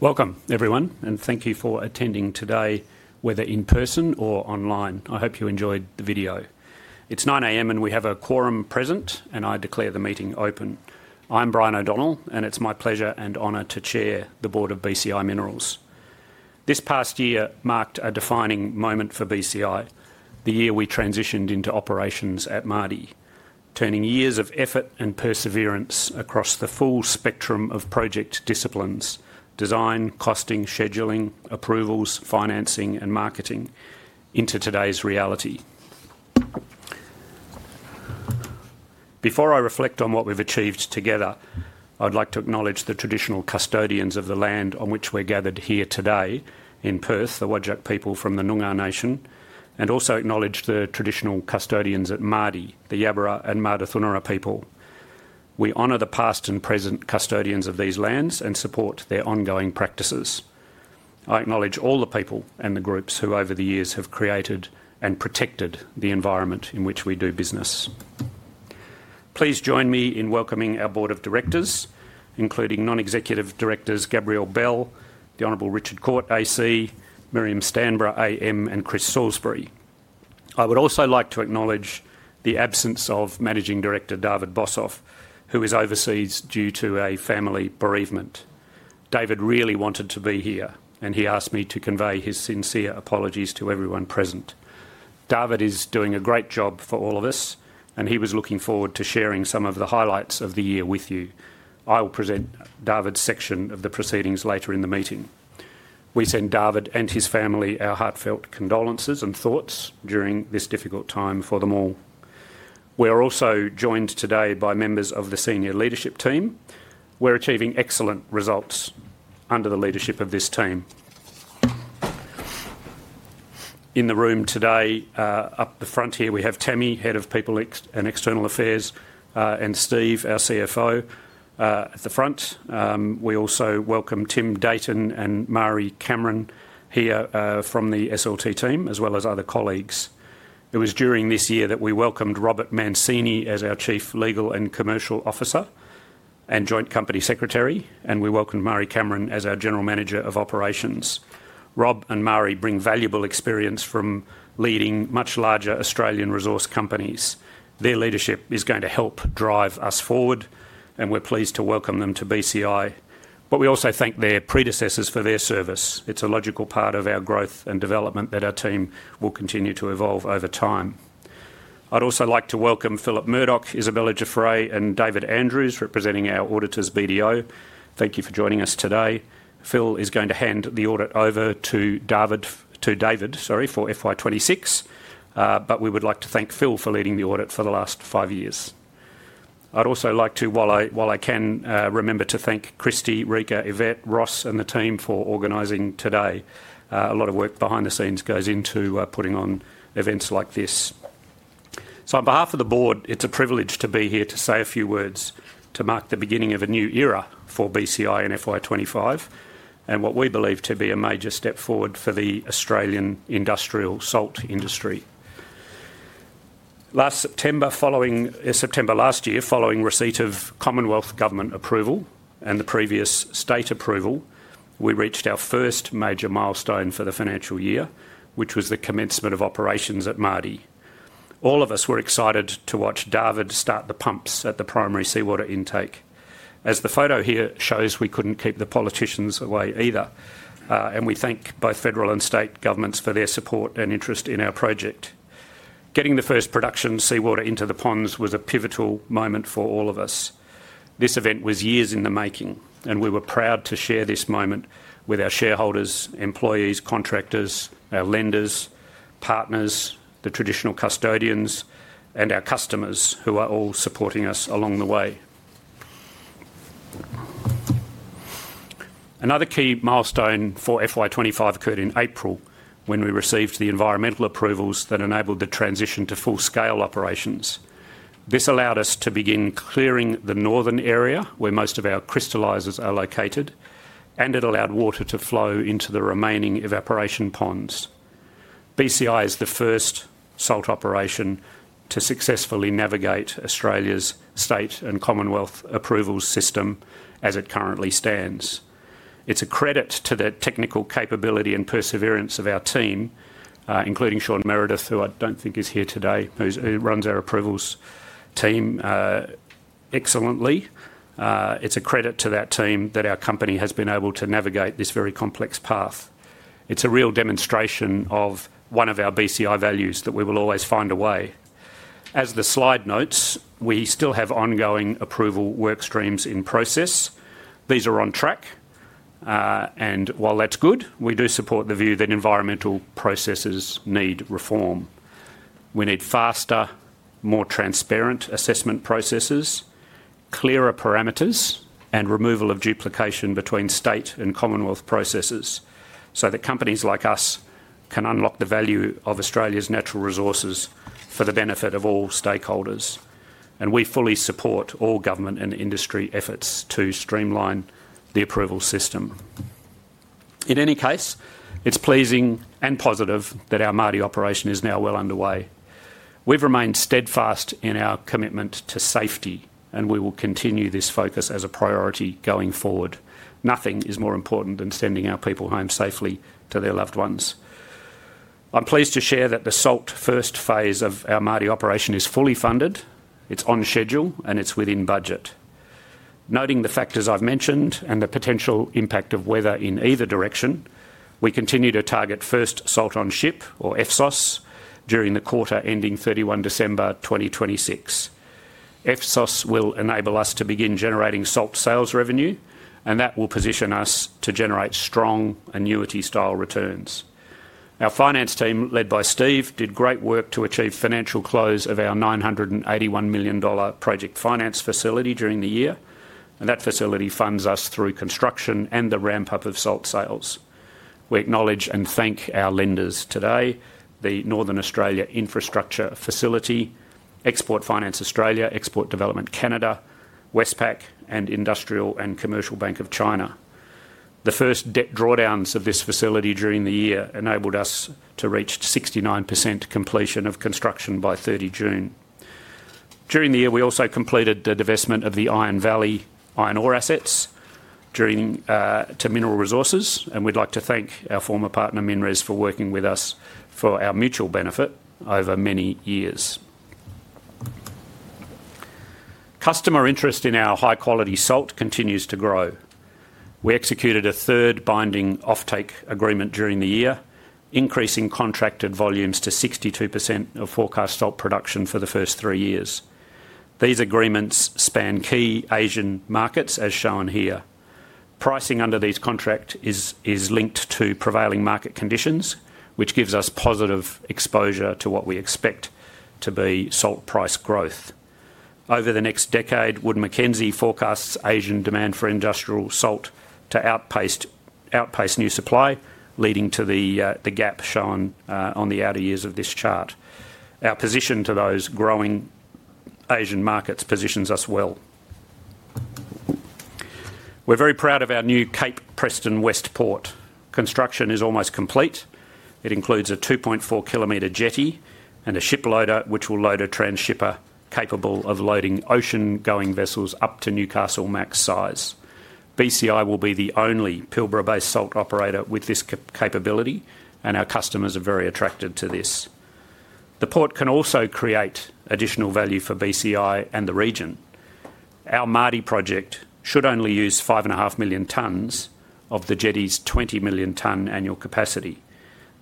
Welcome, everyone, and thank you for attending today, whether in person or online. I hope you enjoyed the video. It's 9:00 A.M., and we have a quorum present, and I declare the meeting open. I'm Brian O'Donnell, and it's my pleasure and honor to chair the Board of BCI Minerals. This past year marked a defining moment for BCI, the year we transitioned into operations at Mardie, turning years of effort and perseverance across the full spectrum of project disciplines—design, costing, scheduling, approvals, financing, and marketing—into today's reality. Before I reflect on what we've achieved together, I'd like to acknowledge the traditional custodians of the land on which we're gathered here today in Perth, the Wadjak people from the Noongar Nation, and also acknowledge the traditional custodians at Mardie, the Yaburara and Mardudhunera people. We honor the past and present custodians of these lands and support their ongoing practices. I acknowledge all the people and the groups who, over the years, have created and protected the environment in which we do business. Please join me in welcoming our Board of Directors, including non-executive directors Gabrielle Bell, the Honorable Richard Court, A.C., Miriam Stanbra, A.M., and Chris Salisbury. I would also like to acknowledge the absence of Managing Director David Boshoff, who is overseas due to a family bereavement. David really wanted to be here, and he asked me to convey his sincere apologies to everyone present. David is doing a great job for all of us, and he was looking forward to sharing some of the highlights of the year with you. I will present David's section of the proceedings later in the meeting. We send David and his family our heartfelt condolences and thoughts during this difficult time for them all. We are also joined today by members of the senior leadership team. We're achieving excellent results under the leadership of this team. In the room today, up the front here, we have Tammie, Head of People and External Affairs, and Steve, our CFO, at the front. We also welcome Tim Dayton and Mari Cameron here from the SLT team, as well as other colleagues. It was during this year that we welcomed Robert Mancini as our Chief Legal and Commercial Officer and Joint Company Secretary, and we welcomed Mari Cameron as our General Manager of Operations. Rob and Mari bring valuable experience from leading much larger Australian resource companies. Their leadership is going to help drive us forward, and we're pleased to welcome them to BCI, but we also thank their predecessors for their service. It's a logical part of our growth and development that our team will continue to evolve over time. I'd also like to welcome Phillip Murdoch, Isabella Jafre, and David Andrews representing our auditors, BDO. Thank you for joining us today. Phil is going to hand the audit over to David, sorry, for FY 2026, but we would like to thank Phil for leading the audit for the last five years. I'd also like to, while I can, remember to thank Christy, Rika, Yvette, Ross, and the team for organizing today. A lot of work behind the scenes goes into putting on events like this. On behalf of the board, it's a privilege to be here to say a few words to mark the beginning of a new era for BCI in FY25 and what we believe to be a major step forward for the Australian industrial salt industry. Last September, following September last year, following receipt of Commonwealth government approval and the previous state approval, we reached our first major milestone for the financial year, which was the commencement of operations at Mardie. All of us were excited to watch David start the pumps at the primary seawater intake. As the photo here shows, we could not keep the politicians away either, and we thank both federal and state governments for their support and interest in our project. Getting the first production seawater into the ponds was a pivotal moment for all of us. This event was years in the making, and we were proud to share this moment with our shareholders, employees, contractors, our lenders, partners, the traditional custodians, and our customers who are all supporting us along the way. Another key milestone for FY 2024 occurred in April when we received the environmental approvals that enabled the transition to full-scale operations. This allowed us to begin clearing the northern area where most of our crystallizers are located, and it allowed water to flow into the remaining evaporation ponds. BCI is the first salt operation to successfully navigate Australia's state and Commonwealth approvals system as it currently stands. It's a credit to the technical capability and perseverance of our team, including Sean Meredith, who I don't think is here today, who runs our approvals team excellently. It's a credit to that team that our company has been able to navigate this very complex path. It's a real demonstration of one of our BCI values that we will always find a way. As the slide notes, we still have ongoing approval work streams in process. These are on track, and while that's good, we do support the view that environmental processes need reform. We need faster, more transparent assessment processes, clearer parameters, and removal of duplication between state and Commonwealth processes so that companies like us can unlock the value of Australia's natural resources for the benefit of all stakeholders. We fully support all government and industry efforts to streamline the approval system. In any case, it's pleasing and positive that our Mardie operation is now well underway. We've remained steadfast in our commitment to safety, and we will continue this focus as a priority going forward. Nothing is more important than sending our people home safely to their loved ones. I'm pleased to share that the salt first phase of our Mardie operation is fully funded. It's on schedule, and it's within budget. Noting the factors I've mentioned and the potential impact of weather in either direction, we continue to target first salt on ship, or EFSOS, during the quarter ending 31 December 2026. EFSOS will enable us to begin generating salt sales revenue, and that will position us to generate strong annuity-style returns. Our finance team, led by Steve, did great work to achieve financial close of our 981 million dollar project finance facility during the year, and that facility funds us through construction and the ramp-up of salt sales. We acknowledge and thank our lenders today: the Northern Australia Infrastructure Facility, Export Finance Australia, Export Development Canada, Westpac, and Industrial and Commercial Bank of China. The first debt drawdowns of this facility during the year enabled us to reach 69% completion of construction by 30 June. During the year, we also completed the divestment of the Iron Valley iron ore assets to Mineral Resources, and we'd like to thank our former partner, MinRes, for working with us for our mutual benefit over many years. Customer interest in our high-quality salt continues to grow. We executed a third binding offtake agreement during the year, increasing contracted volumes to 62% of forecast salt production for the first three years. These agreements span key Asian markets, as shown here. Pricing under these contracts is linked to prevailing market conditions, which gives us positive exposure to what we expect to be salt price growth. Over the next decade, Wood Mackenzie forecasts Asian demand for industrial salt to outpace new supply, leading to the gap shown on the outer years of this chart. Our position to those growing Asian markets positions us well. We're very proud of our new Cape Preston West Port. Construction is almost complete. It includes a 2.4 km jetty and a ship loader, which will load a transshipper capable of loading ocean-going vessels up to Newcastle max size. BCI will be the only Pilbara-based salt operator with this capability, and our customers are very attracted to this. The port can also create additional value for BCI and the region. Our Mardie project should only use 5.5 million tons of the jetty's 20 million-ton annual capacity.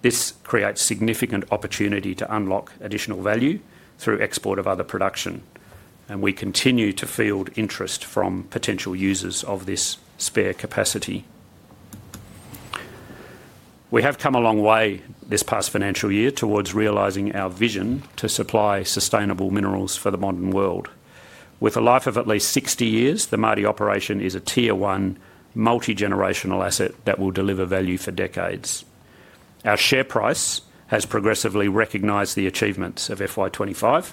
This creates significant opportunity to unlock additional value through export of other production, and we continue to field interest from potential users of this spare capacity. We have come a long way this past financial year towards realizing our vision to supply sustainable minerals for the modern world. With a life of at least 60 years, the Mardie operation is a tier-one multi-generational asset that will deliver value for decades. Our share price has progressively recognized the achievements of FY2025,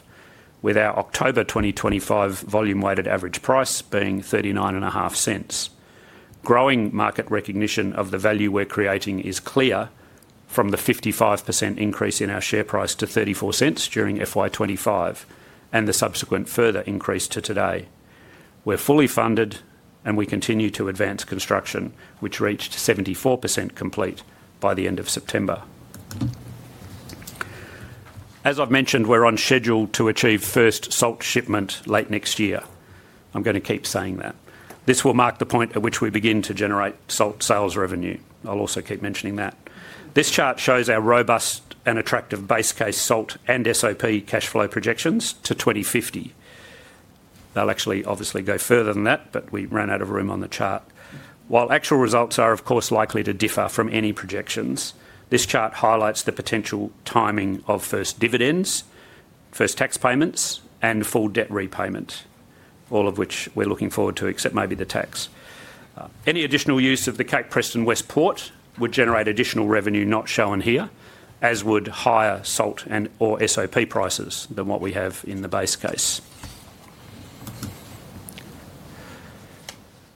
with our October 2025 volume-weighted average price being 0.395. Growing market recognition of the value we're creating is clear, from the 55% increase in our share price to 0.34 during FY2025 and the subsequent further increase to today. We're fully funded, and we continue to advance construction, which reached 74% complete by the end of September. As I've mentioned, we're on schedule to achieve first salt shipment late next year. I'm going to keep saying that. This will mark the point at which we begin to generate salt sales revenue. I'll also keep mentioning that. This chart shows our robust and attractive base case salt and SOP Cash flow projections to 2050. They'll actually obviously go further than that, but we ran out of room on the chart. While actual results are, of course, likely to differ from any projections, this chart highlights the potential timing of first dividends, first tax payments, and full debt repayment, all of which we're looking forward to, except maybe the tax. Any additional use of the Cape Preston West Port would generate additional revenue not shown here, as would higher salt and/or SOP prices than what we have in the base case.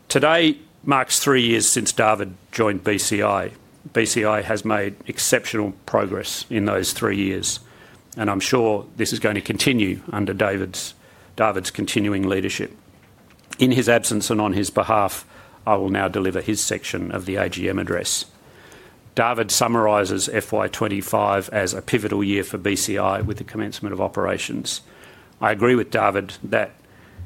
Today marks three years since David joined BCI. BCI has made exceptional progress in those three years, and I'm sure this is going to continue under David's continuing leadership. In his absence and on his behalf, I will now deliver his section of the AGM address. David summarizes FY 2025 as a pivotal year for BCI with the commencement of operations. I agree with David that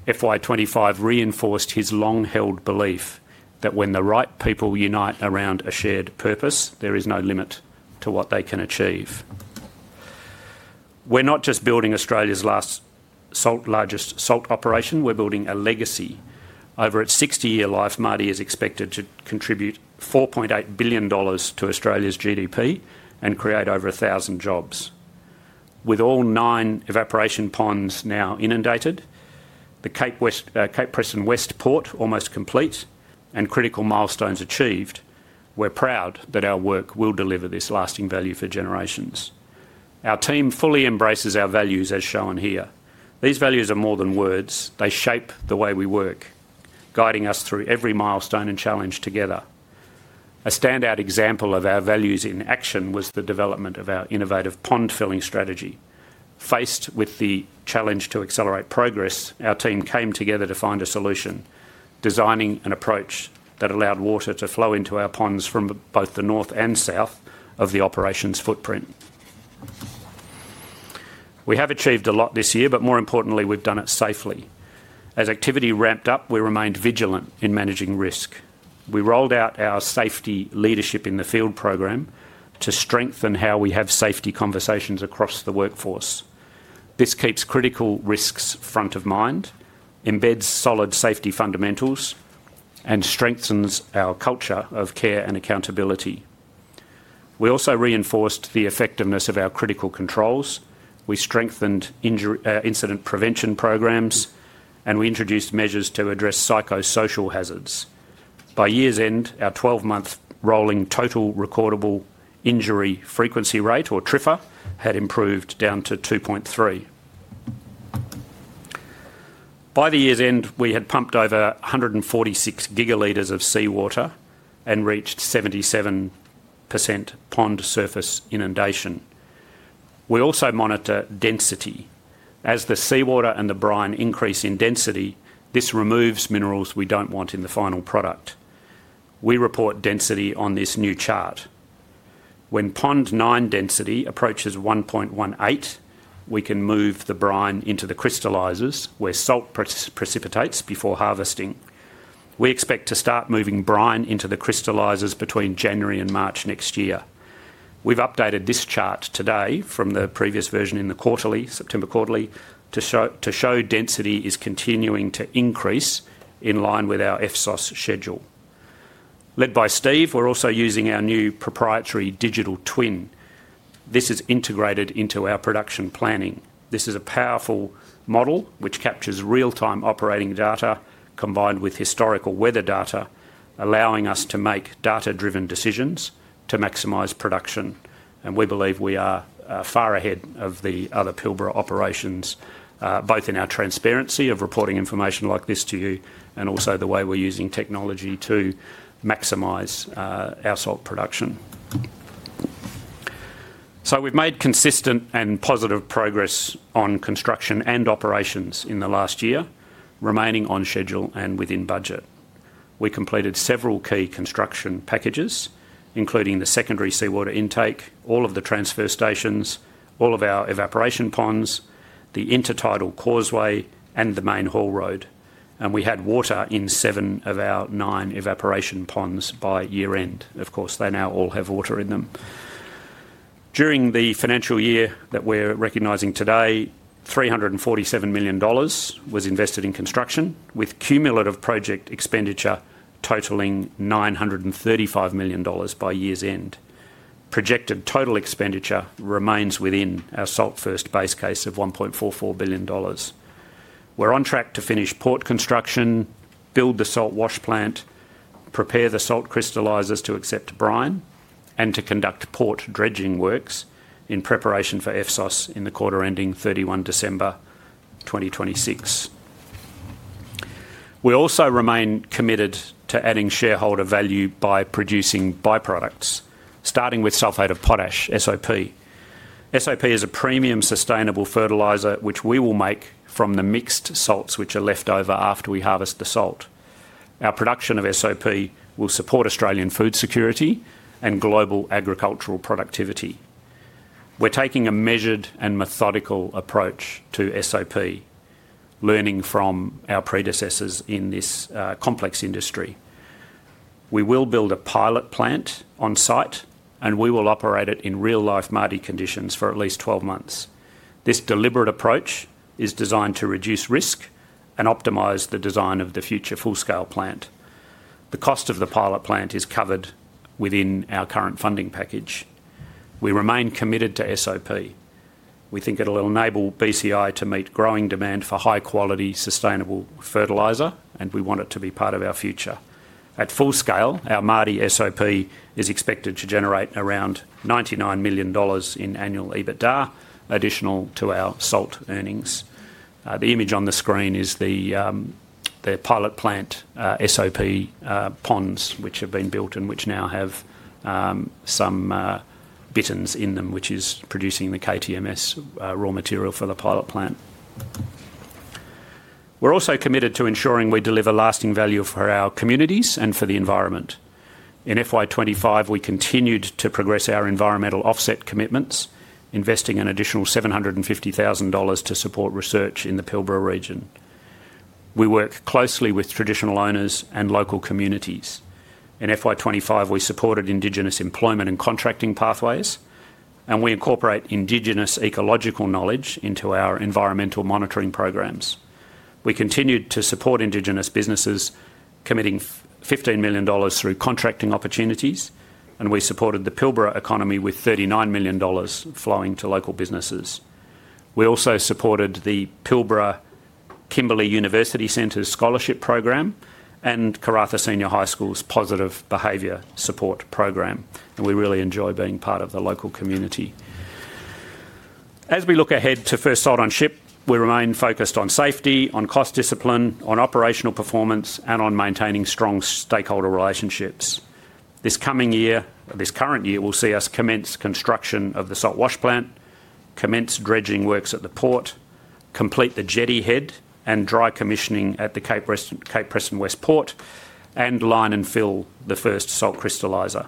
FY 2025 reinforced his long-held belief that when the right people unite around a shared purpose, there is no limit to what they can achieve. We're not just building Australia's largest salt operation; we're building a legacy. Over its 60-year life, Mardie is expected to contribute 4.8 billion dollars to Australia's GDP and create over 1,000 jobs. With all nine evaporation ponds now inundated, the Cape Preston West Port almost complete and critical milestones achieved, we're proud that our work will deliver this lasting value for generations. Our team fully embraces our values, as shown here. These values are more than words; they shape the way we work, guiding us through every milestone and challenge together. A standout example of our values in action was the development of our innovative pond filling strategy. Faced with the challenge to accelerate progress, our team came together to find a solution, designing an approach that allowed water to flow into our ponds from both the north and south of the operation's footprint. We have achieved a lot this year, but more importantly, we've done it safely. As activity ramped up, we remained vigilant in managing risk. We rolled out our safety leadership in the field program to strengthen how we have safety conversations across the workforce. This keeps critical risks front of mind, embeds solid safety fundamentals, and strengthens our culture of care and accountability. We also reinforced the effectiveness of our critical controls. We strengthened incident prevention programs, and we introduced measures to address psychosocial hazards. By year's end, our 12-month rolling total recordable injury frequency rate, or TRIFR, had improved down to 2.3. By the year's end, we had pumped over 146 GL of seawater and reached 77% pond surface inundation. We also monitor density. As the seawater and the brine increase in density, this removes minerals we don't want in the final product. We report density on this new chart. When pond nine density approaches 1.18, we can move the brine into the crystallizers where salt precipitates before harvesting. We expect to start moving brine into the crystallizers between January and March next year. We've updated this chart today from the previous version in the September quarterly to show density is continuing to increase in line with our EFSOS schedule. Led by Steve, we're also using our new proprietary digital twin. This is integrated into our production planning. This is a powerful model which captures real-time operating data combined with historical weather data, allowing us to make data-driven decisions to maximize production. We believe we are far ahead of the other Pilbara operations, both in our transparency of reporting information like this to you and also the way we're using technology to maximize our salt production. We have made consistent and positive progress on construction and operations in the last year, remaining on schedule and within budget. We completed several key construction packages, including the secondary seawater intake, all of the transfer stations, all of our evaporation ponds, the intertidal causeway, and the main haul road. We had water in seven of our nine evaporation ponds by year-end. Of course, they now all have water in them. During the financial year that we're recognizing today, 347 million dollars was invested in construction, with cumulative project expenditure totaling 935 million dollars by year's end. Projected total expenditure remains within our salt-first base case of 1.44 billion dollars. We're on track to finish port construction, build the salt wash plant, prepare the salt crystallizers to accept brine, and to conduct port dredging works in preparation for EFSOS in the quarter ending 31 December 2026. We also remain committed to adding shareholder value by producing byproducts, starting with sulfate of potash, SOP. SOP is a premium sustainable fertilizer which we will make from the mixed salts which are left over after we harvest the salt. Our production of SOP will support Australian food security and global agricultural productivity. We're taking a measured and methodical approach to SOP, learning from our predecessors in this complex industry. We will build a pilot plant on site, and we will operate it in real-life Mardie conditions for at least 12 months. This deliberate approach is designed to reduce risk and optimize the design of the future full-scale plant. The cost of the pilot plant is covered within our current funding package. We remain committed to SOP. We think it will enable BCI to meet growing demand for high-quality sustainable fertilizer, and we want it to be part of our future. At full scale, our Mardie SOP is expected to generate around 99 million dollars in annual EBITDA, additional to our salt earnings. The image on the screen is the pilot plant SOP ponds which have been built and which now have some bitterns in them, which is producing the KTMS raw material for the pilot plant. We're also committed to ensuring we deliver lasting value for our communities and for the environment. In FY 2025, we continued to progress our environmental offset commitments, investing an additional 750,000 dollars to support research in the Pilbara region. We work closely with traditional owners and local communities. In FY 2025, we supported indigenous employment and contracting pathways, and we incorporate indigenous ecological knowledge into our environmental monitoring programs. We continued to support indigenous businesses, committing 15 million dollars through contracting opportunities, and we supported the Pilbara economy with 39 million dollars flowing to local businesses. We also supported the Pilbara Kimberley University Centre's scholarship program and Karratha Senior High School's positive behavior support program. We really enjoy being part of the local community. As we look ahead to first salt on ship, we remain focused on safety, on cost discipline, on operational performance, and on maintaining strong stakeholder relationships. This coming year, this current year, will see us commence construction of the salt wash plant, commence dredging works at the port, complete the jetty head and dry commissioning at the Cape Preston West Port, and line and fill the first salt crystallizer.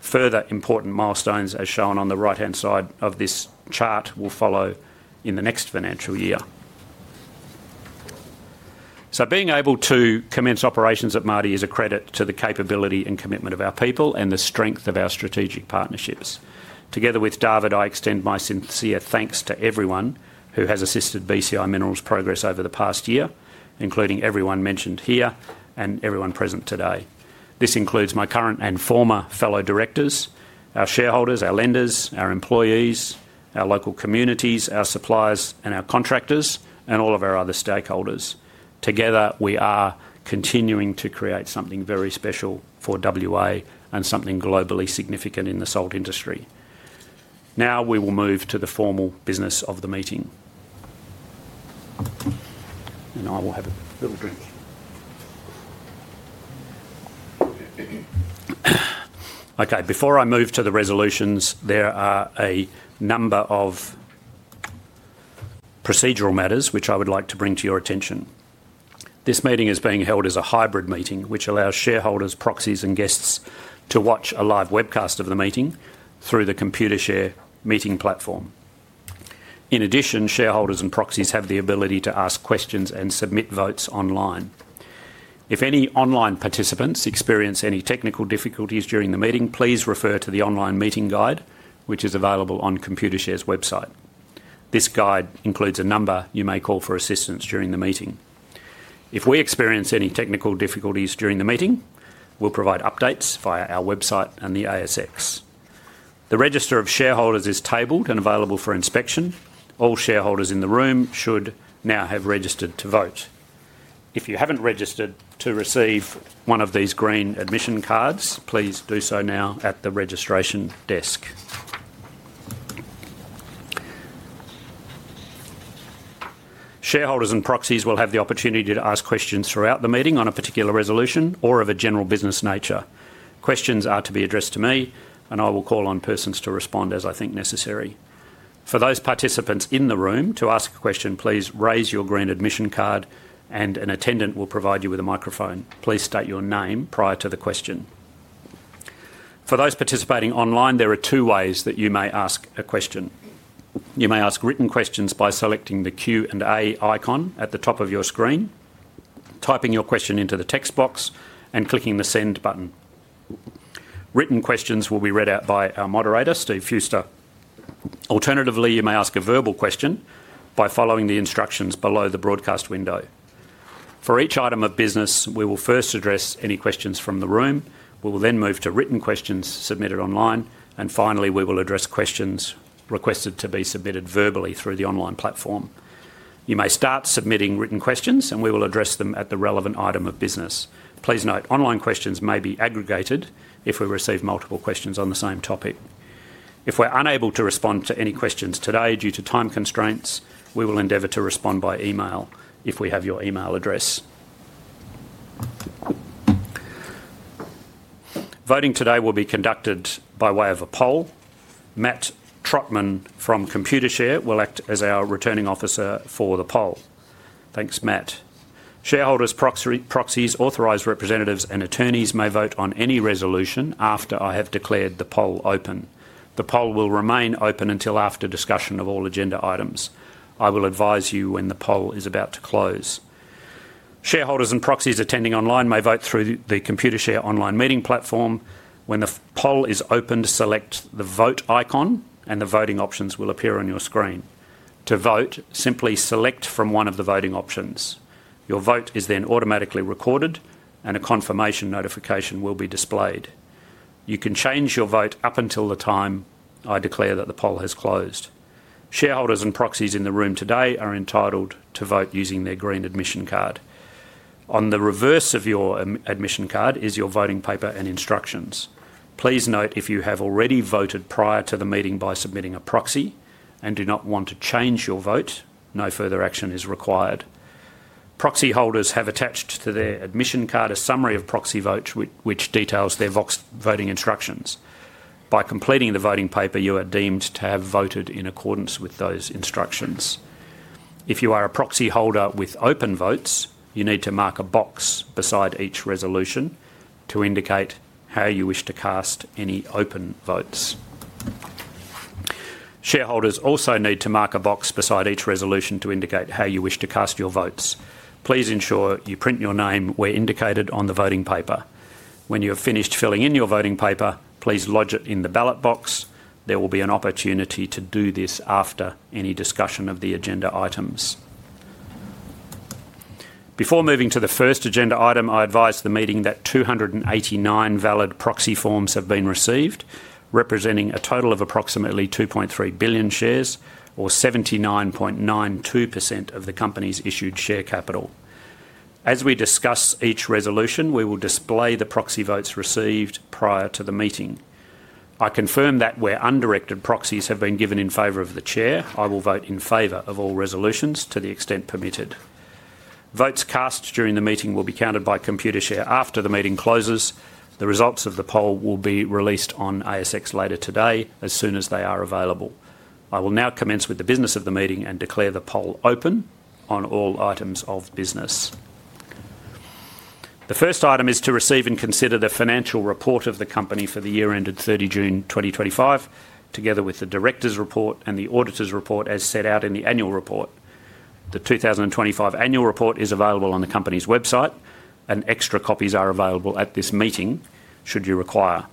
Further important milestones, as shown on the right-hand side of this chart, will follow in the next financial year. Being able to commence operations at Mardie is a credit to the capability and commitment of our people and the strength of our strategic partnerships. Together with David, I extend my sincere thanks to everyone who has assisted BCI Minerals' progress over the past year, including everyone mentioned here and everyone present today. This includes my current and former fellow directors, our shareholders, our lenders, our employees, our local communities, our suppliers, our contractors, and all of our other stakeholders. Together, we are continuing to create something very special for WA and something globally significant in the salt industry. Now we will move to the formal business of the meeting. I will have a little drink. Okay, before I move to the resolutions, there are a number of procedural matters which I would like to bring to your attention. This meeting is being held as a hybrid meeting, which allows shareholders, proxies, and guests to watch a live webcast of the meeting through the ComputerShare meeting platform. In addition, shareholders and proxies have the ability to ask questions and submit votes online. If any online participants experience any technical difficulties during the meeting, please refer to the online meeting guide, which is available on ComputerShare's website. This guide includes a number you may call for assistance during the meeting. If we experience any technical difficulties during the meeting, we'll provide updates via our website and the ASX. The register of shareholders is tabled and available for inspection. All shareholders in the room should now have registered to vote. If you haven't registered to receive one of these green admission cards, please do so now at the registration desk. Shareholders and proxies will have the opportunity to ask questions throughout the meeting on a particular resolution or of a general business nature. Questions are to be addressed to me, and I will call on persons to respond as I think necessary. For those participants in the room to ask a question, please raise your green admission card, and an attendant will provide you with a microphone. Please state your name prior to the question. For those participating online, there are two ways that you may ask a question. You may ask written questions by selecting the Q and A icon at the top of your screen, typing your question into the text box, and clicking the send button. Written questions will be read out by our moderator, Steve Fewster. Alternatively, you may ask a verbal question by following the instructions below the broadcast window. For each item of business, we will first address any questions from the room. We will then move to written questions submitted online. Finally, we will address questions requested to be submitted verbally through the online platform. You may start submitting written questions, and we will address them at the relevant item of business. Please note, online questions may be aggregated if we receive multiple questions on the same topic. If we're unable to respond to any questions today due to time constraints, we will endeavour to respond by email if we have your email address. Voting today will be conducted by way of a poll. Matt Trottman from ComputerShare will act as our returning officer for the poll. Thanks, Matt. Shareholders, proxies, authorized representatives, and attorneys may vote on any resolution after I have declared the poll open. The poll will remain open until after discussion of all agenda items. I will advise you when the poll is about to close. Shareholders and proxies attending online may vote through the ComputerShare online meeting platform. When the poll is open, select the vote icon, and the voting options will appear on your screen. To vote, simply select from one of the voting options. Your vote is then automatically recorded, and a confirmation notification will be displayed. You can change your vote up until the time I declare that the poll has closed. Shareholders and proxies in the room today are entitled to vote using their green admission card. On the reverse of your admission card is your voting paper and instructions. Please note, if you have already voted prior to the meeting by submitting a proxy and do not want to change your vote, no further action is required. Proxy holders have attached to their admission card a summary of proxy votes, which details their voting instructions. By completing the voting paper, you are deemed to have voted in accordance with those instructions. If you are a proxy holder with open votes, you need to mark a box beside each resolution to indicate how you wish to cast any open votes. Shareholders also need to mark a box beside each resolution to indicate how you wish to cast your votes. Please ensure you print your name where indicated on the voting paper. When you have finished filling in your voting paper, please lodge it in the ballot box. There will be an opportunity to do this after any discussion of the agenda items. Before moving to the first agenda item, I advise the meeting that 289 valid proxy forms have been received, representing a total of approximately 2.3 billion shares or 79.92% of the company's issued share capital. As we discuss each resolution, we will display the proxy votes received prior to the meeting. I confirm that where undirected proxies have been given in favour of the chair, I will vote in favour of all resolutions to the extent permitted. Votes cast during the meeting will be counted by ComputerShare after the meeting closes. The results of the poll will be released on ASX later today as soon as they are available. I will now commence with the business of the meeting and declare the poll open on all items of business. The first item is to receive and consider the financial report of the company for the year ended 30 June 2025, together with the director's report and the auditor's report as set out in the annual report. The 2025 annual report is available on the company's website, and extra copies are available at this meeting should you require.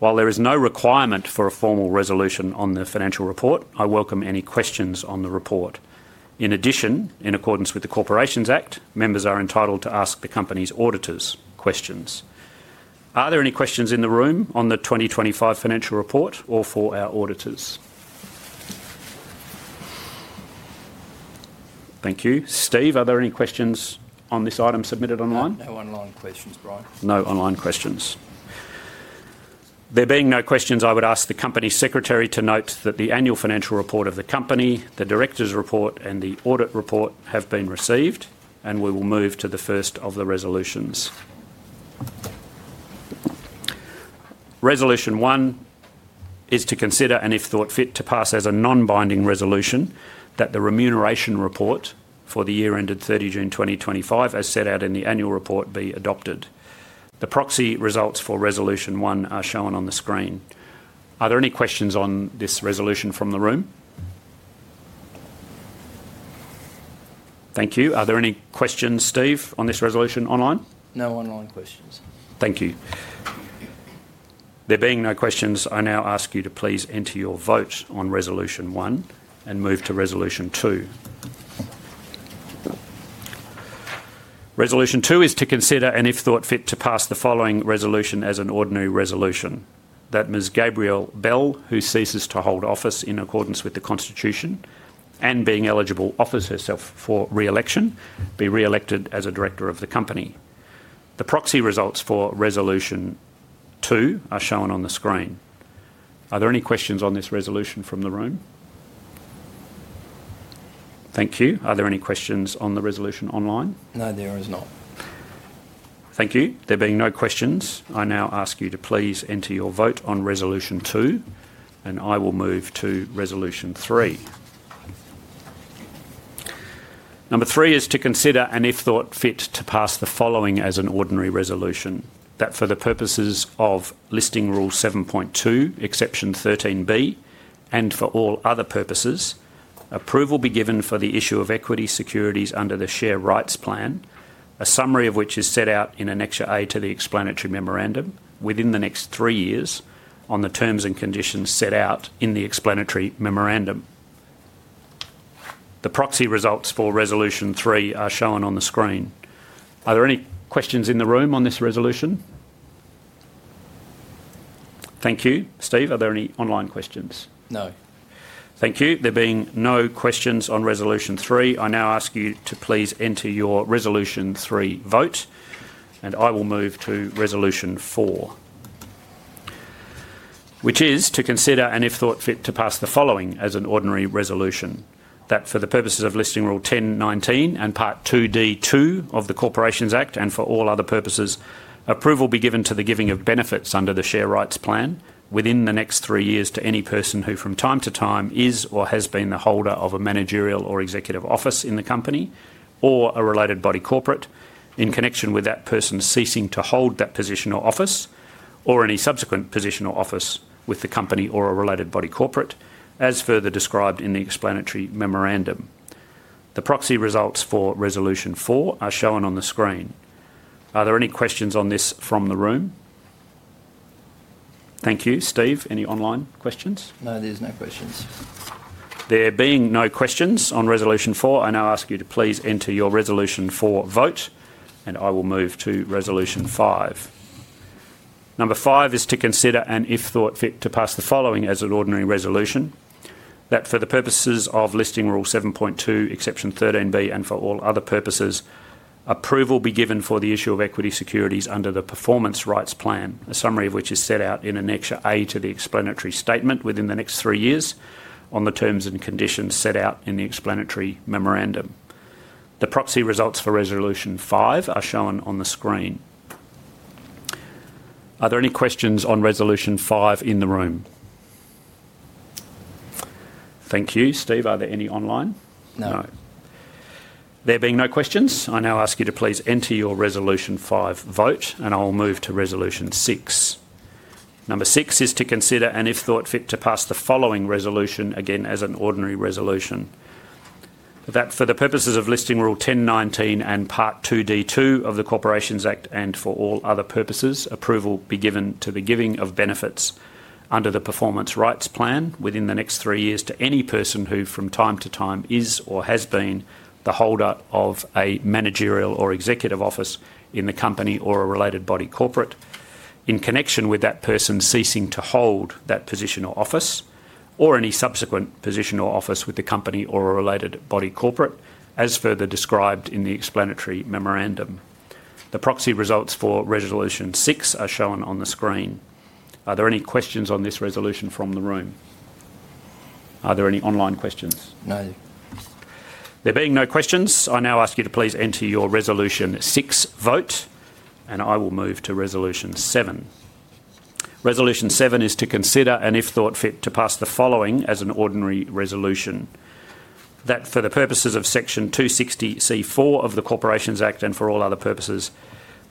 While there is no requirement for a formal resolution on the financial report, I welcome any questions on the report. In addition, in accordance with the Corporations Act, members are entitled to ask the company's auditors questions. Are there any questions in the room on the 2025 financial report or for our auditors? Thank you. Steve, are there any questions on this item submitted online? No online questions, Brian. No online questions. There being no questions, I would ask the company secretary to note that the annual financial report of the company, the director's report, and the audit report have been received, and we will move to the first of the resolutions. Resolution one is to consider and if thought fit to pass as a non-binding resolution that the remuneration report for the year ended 30 June 2025 as set out in the annual report be adopted. The proxy results for resolution one are shown on the screen. Are there any questions on this resolution from the room? Thank you. Are there any questions, Steve, on this resolution online? No online questions. Thank you. There being no questions, I now ask you to please enter your vote on resolution one and move to resolution two. Resolution two is to consider and if thought fit to pass the following resolution as an ordinary resolution: that Ms. Gabrielle Bell, who ceases to hold office in accordance with the Constitution and being eligible offers herself for re-election, be re-elected as a director of the company. The proxy results for resolution two are shown on the screen. Are there any questions on this resolution from the room? Thank you. Are there any questions on the resolution online? No, there is not. Thank you. There being no questions, I now ask you to please enter your vote on resolution two, and I will move to resolution three. Number three is to consider and if thought fit to pass the following as an ordinary resolution: that for the purposes of Listing Rule 7.2, Exception 13B, and for all other purposes, approval be given for the issue of equity securities under the share rights plan, a summary of which is set out in Annexure A to the explanatory memorandum within the next three years on the terms and conditions set out in the explanatory memorandum. The proxy results for resolution three are shown on the screen. Are there any questions in the room on this resolution? Thank you. Steve, are there any online questions? No. Thank you. There being no questions on resolution three, I now ask you to please enter your resolution three vote, and I will move to resolution four, which is to consider and if thought fit to pass the following as an ordinary resolution: that for the purposes of Listing Rule 10.19 and Part 2D.2 of the Corporations Act and for all other purposes, approval be given to the giving of benefits under the share rights plan within the next three years to any person who from time to time is or has been the holder of a managerial or executive office in the company or a related body corporate in connection with that person ceasing to hold that position or office or any subsequent position or office with the company or a related body corporate, as further described in the explanatory memorandum. The proxy results for resolution four are shown on the screen. Are there any questions on this from the room? Thank you. Steve, any online questions? No, there's no questions. There being no questions on resolution four, I now ask you to please enter your resolution four vote, and I will move to resolution five. Number five is to consider and if thought fit to pass the following as an ordinary resolution: that for the purposes of Listing Rule 7.2, Exception 13B, and for all other purposes, approval be given for the issue of equity securities under the performance rights plan, a summary of which is set out in annexure A to the explanatory statement within the next three years on the terms and conditions set out in the explanatory memorandum. The proxy results for resolution five are shown on the screen. Are there any questions on resolution five in the room? Thank you. Steve, are there any online? No. There being no questions, I now ask you to please enter your resolution five vote, and I will move to resolution six. Number six is to consider and if thought fit to pass the following resolution again as an ordinary resolution: that for the purposes of Listing Rule 10.19 and Part 2D.2 of the Corporations Act and for all other purposes, approval be given to the giving of benefits under the performance rights plan within the next three years to any person who from time to time is or has been the holder of a managerial or executive office in the company or a related body corporate in connection with that person ceasing to hold that position or office or any subsequent position or office with the company or a related body corporate as further described in the explanatory memorandum. The proxy results for resolution six are shown on the screen. Are there any questions on this resolution from the room? Are there any online questions? No. There being no questions, I now ask you to please enter your resolution six vote, and I will move to resolution seven. Resolution seven is to consider and if thought fit to pass the following as an ordinary resolution: that for the purposes of Section 260(c)(4) of the Corporations Act and for all other purposes,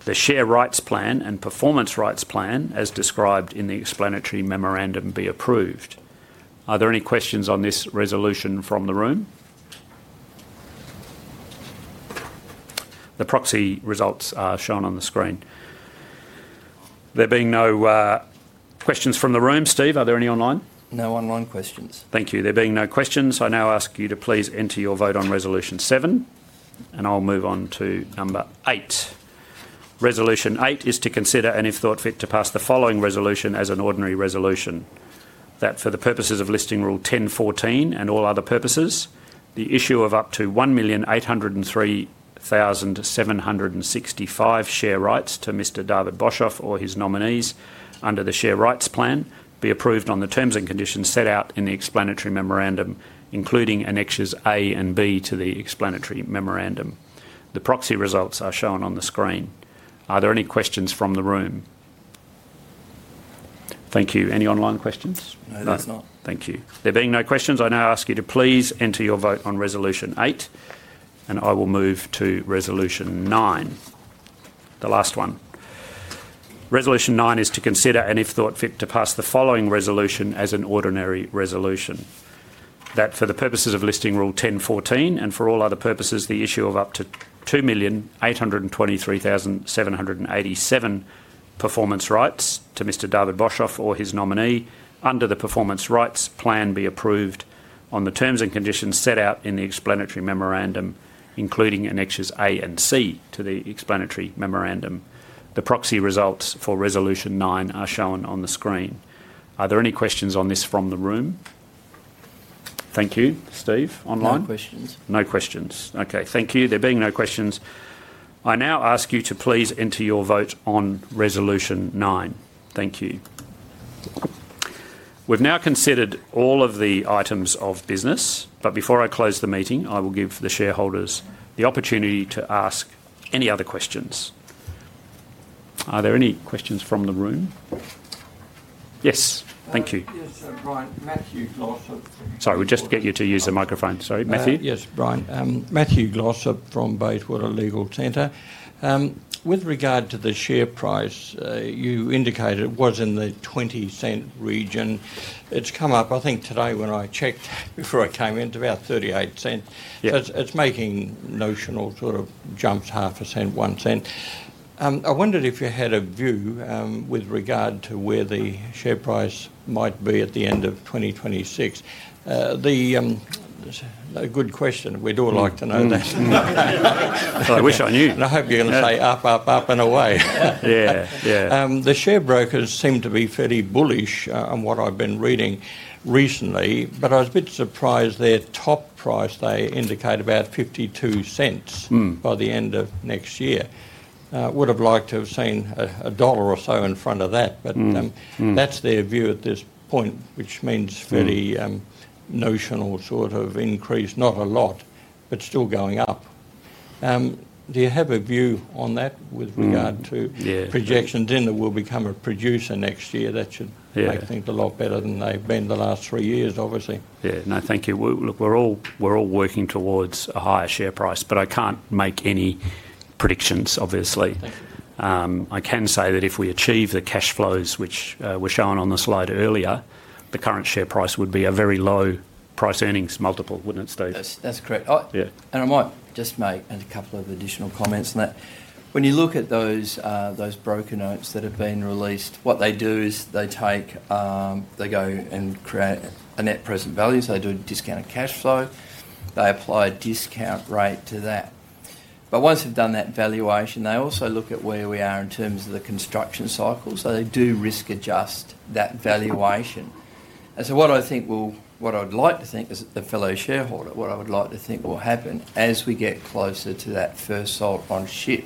the share rights plan and performance rights plan as described in the explanatory memorandum be approved. Are there any questions on this resolution from the room? The proxy results are shown on the screen. There being no questions from the room, Steve, are there any online? No online questions. Thank you. There being no questions, I now ask you to please enter your vote on resolution seven, and I'll move on to number eight. Resolution eight is to consider and if thought fit to pass the following resolution as an ordinary resolution: that for the purposes of Listing Rule 1014 and all other purposes, the issue of up to 1,803,765 share rights to Mr. David Boshoff or his nominees under the share rights plan be approved on the terms and conditions set out in the explanatory memorandum, including annexures A and B to the explanatory memorandum. The proxy results are shown on the screen. Are there any questions from the room? Thank you. Any online questions? No. There's not. Thank you. There being no questions, I now ask you to please enter your vote on resolution eight, and I will move to resolution nine. The last one. Resolution nine is to consider and if thought fit to pass the following resolution as an ordinary resolution: that for the purposes of Listing Rule 1014 and for all other purposes, the issue of up to 2,823,787 performance rights to Mr. David Boshoff or his nominee under the performance rights plan be approved on the terms and conditions set out in the explanatory memorandum, including annexures A and C to the explanatory memorandum. The proxy results for resolution nine are shown on the screen. Are there any questions on this from the room? Thank you. Steve, online? No questions. No questions. Okay. Thank you. There being no questions, I now ask you to please enter your vote on resolution nine. Thank you. We have now considered all of the items of business, but before I close the meeting, I will give the shareholders the opportunity to ask any other questions. Are there any questions from the room? Yes. Thank you. Yes, Brian. Matthew Gloshop. Sorry. We'll just get you to use the microphone. Sorry. Matthew? Yes, Brian. Matthew Gloshop from Bayswater Legal Center. With regard to the share price, you indicated it was in the 20 cent region. It's come up, I think, today when I checked before I came in, to about 38 cents. It's making notional sort of jumps half a cent, one cent. I wondered if you had a view with regard to where the share price might be at the end of 2026. A good question. We'd all like to know that. I wish I knew. I hope you're going to say, "Up, up, up," and away. Yeah. The share brokers seem to be fairly bullish on what I've been reading recently, but I was a bit surprised their top price they indicated about 0.52 by the end of next year. Would have liked to have seen a dollar or so in front of that, but that's their view at this point, which means fairly notional sort of increase, not a lot, but still going up. Do you have a view on that with regard to projections? Yeah. In that we'll become a producer next year. That should make things a lot better than they've been the last three years, obviously. Yeah. No, thank you. Look, we're all working towards a higher share price, but I can't make any predictions, obviously.I can say that if we achieve the Cash flows which were shown on the slide earlier, the current share price would be a very low price earnings multiple, wouldn't it, Steve? That's correct. I might just make a couple of additional comments on that. When you look at those broker notes that have been released, what they do is they take, they go and create a net present value. They do a discounted cash flow. They apply a discount rate to that. Once they've done that valuation, they also look at where we are in terms of the construction cycle. They do risk adjust that valuation. What I think will, what I'd like to think is that the fellow shareholder, what I would like to think will happen as we get closer to that first salt on ship,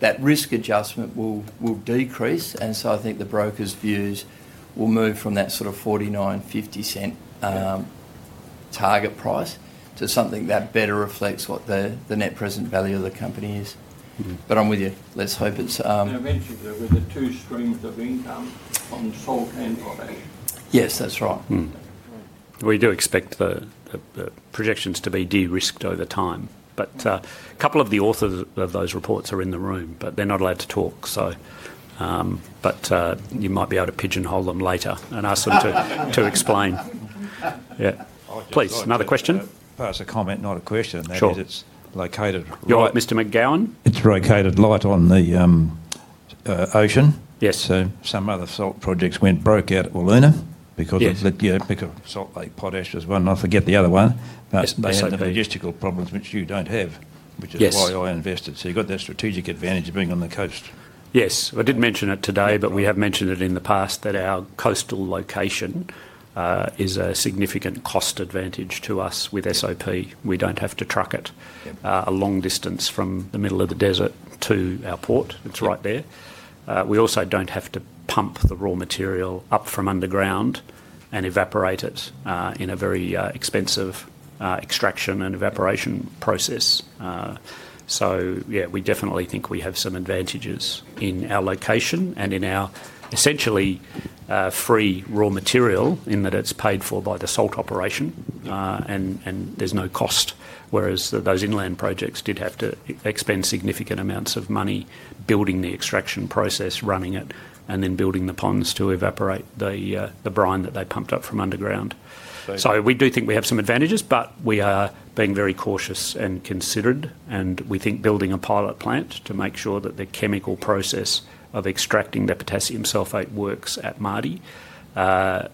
that risk adjustment will decrease. I think the broker's views will move from that sort of 49, 50 cent target price to something that better reflects what the Net Present Value of the company is. I'm with you. Let's hope it's eventually, with the two streams of income on salt and property. Yes, that's right. We do expect the projections to be de-risked over time. A couple of the authors of those reports are in the room, but they're not allowed to talk. You might be able to pigeonhole them later and ask them to explain. Please, another question? Perhaps a comment, not a question. Sure. That is, it's located. You're right, Mr. McGowan. It's located right on the ocean. Yes. Some other salt projects went broke out at Wiluna because of the salt lake potash as well. I forget the other one. They had the logistical problems, which you do not have, which is why I invested. You have that strategic advantage of being on the coast. Yes. I did mention it today, but we have mentioned it in the past that our coastal location is a significant cost advantage to us with SOP. We do not have to truck it a long distance from the middle of the desert to our port. It is right there. We also do not have to pump the raw material up from underground and evaporate it in a very expensive extraction and evaporation process. Yeah, we definitely think we have some advantages in our location and in our essentially free raw material in that it's paid for by the salt operation and there's no cost, whereas those inland projects did have to expend significant amounts of money building the extraction process, running it, and then building the ponds to evaporate the brine that they pumped up from underground. We do think we have some advantages, but we are being very cautious and considered. We think building a pilot plant to make sure that the chemical process of extracting the potassium sulfate works at Mardie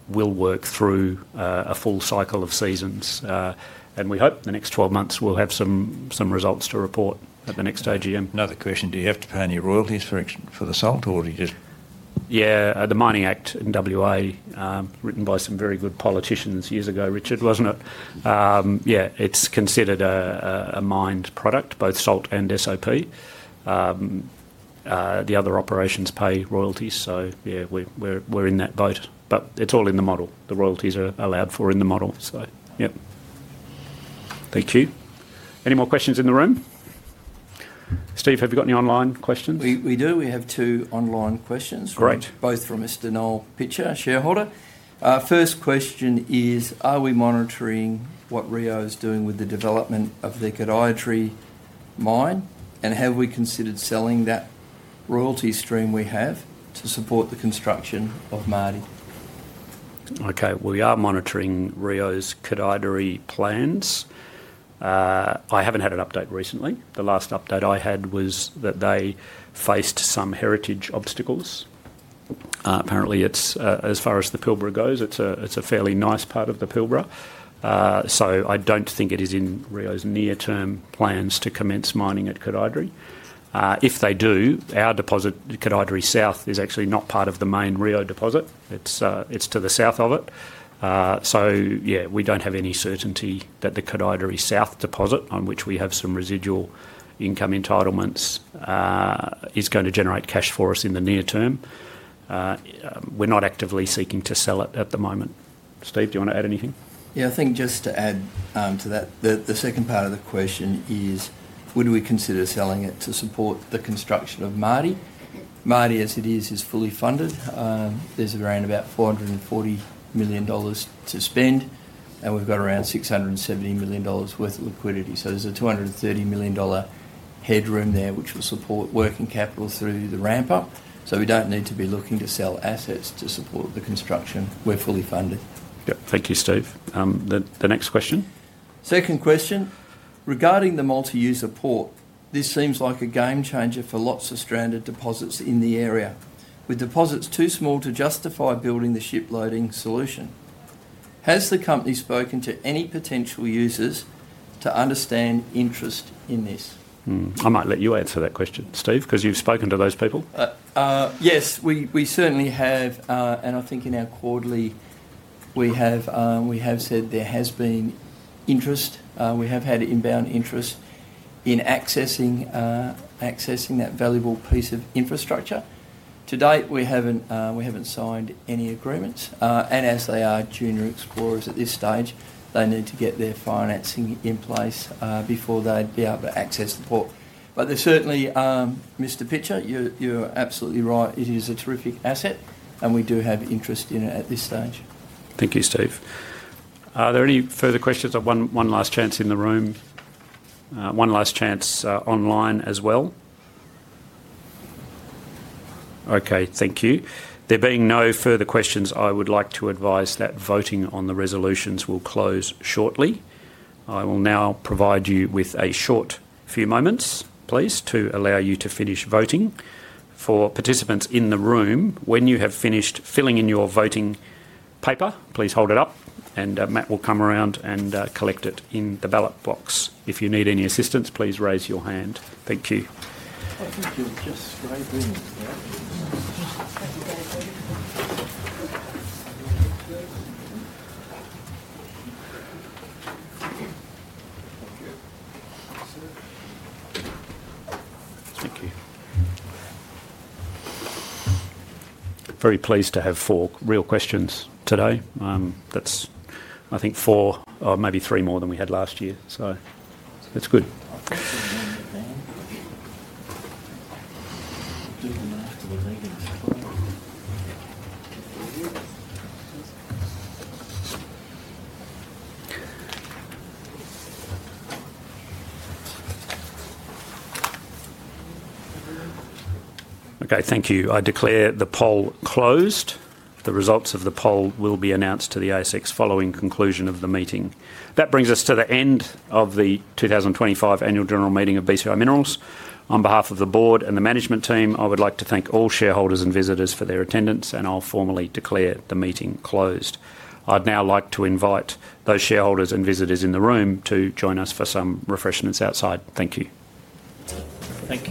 will work through a full cycle of seasons. We hope the next 12 months we'll have some results to report at the next AGM. Another question. Do you have to pay any royalties for the salt or do you just— yeah. The Mining Act in WA, written by some very good politicians years ago, Richard, wasn't it? Yeah. It's considered a mined product, both salt and SOP. The other operations pay royalties. Yeah, we're in that vote. It's all in the model. The royalties are allowed for in the model. Yeah. Thank you. Any more questions in the room? Steve, have you got any online questions? We do. We have two online questions. Great. Both from Mr. Noel Pitcher, shareholder. First question is, are we monitoring what Rio is doing with the development of the Koodaideri mine? Have we considered selling that royalty stream we have to support the construction of Mardie? Okay. We are monitoring Rio's Koodaideri plans. I haven't had an update recently. The last update I had was that they faced some heritage obstacles. Apparently, as far as the Pilbara goes, it's a fairly nice part of the Pilbara. I don't think it is in Rio's near-term plans to commence mining at Koodaideri. If they do, our deposit, Koodaideri South, is actually not part of the main Rio deposit. It's to the south of it. We don't have any certainty that the Koodaideri South deposit, on which we have some residual income entitlements, is going to generate cash for us in the near term. We're not actively seeking to sell it at the moment. Steve, do you want to add anything? Yeah. I think just to add to that, the second part of the question is, would we consider selling it to support the construction of Mardie? Mardie, as it is, is fully funded. There's around about 440 million dollars to spend, and we've got around 670 million dollars worth of liquidity. There is a 230 million dollar headroom there, which will support working capital through the ramp-up. We do not need to be looking to sell assets to support the construction. We are fully funded. Yep. Thank you, Steve. The next question Second question. Regarding the multi-user port, this seems like a game changer for lots of stranded deposits in the area, with deposits too small to justify building the ship loading solution. Has the company spoken to any potential users to understand interest in this? I might let you answer that question, Steve, because you have spoken to those people. Yes. We certainly have. I think in our quarterly, we have said there has been interest. We have had inbound interest in accessing that valuable piece of infrastructure. To date, we have not signed any agreements. As they are junior explorers at this stage, they need to get their financing in place before they'd be able to access the port. Certainly, Mr. Pitcher, you're absolutely right. It is a terrific asset, and we do have interest in it at this stage. Thank you, Steve. Are there any further questions? I have one last chance in the room. One last chance online as well. Okay. Thank you. There being no further questions, I would like to advise that voting on the resolutions will close shortly. I will now provide you with a short few moments, please, to allow you to finish voting. For participants in the room, when you have finished filling in your voting paper, please hold it up, and Matt will come around and collect it in the ballot box. If you need any assistance, please raise your hand. Thank you. Thank you. Just straight in. Thank you. Very pleased to have four real questions today. That's, I think, four or maybe three more than we had last year. It is good. Thank you. I declare the poll closed. The results of the poll will be announced to the ASX following conclusion of the meeting. That brings us to the end of the 2025 Annual General Meeting of BCI Minerals. On behalf of the board and the management team, I would like to thank all shareholders and visitors for their attendance, and I will formally declare the meeting closed. I would now like to invite those shareholders and visitors in the room to join us for some refreshments outside. Thank you. Thank you.